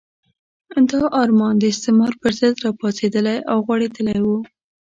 دا ارمان د استعمار پرضد راپاڅېدلی او غوړېدلی وو.